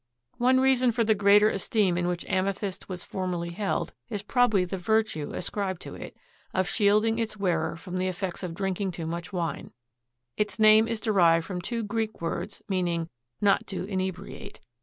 One reason for the greater esteem in which amethyst was formerly held is probably the virtue ascribed to it of shielding its wearer from the effects of drinking too much wine. Its name is derived from two Greek words, meaning "not to inebriate."